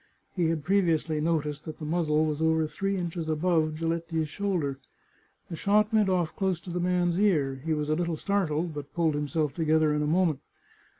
He had previously noticed that the muzzle was over three inches above Giletti's shoulder. The shot went off close to the man's ear ; he was a little startled, but pulled himself to gether in a moment.